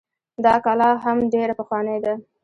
دا کلا هم ډيره پخوانۍ ده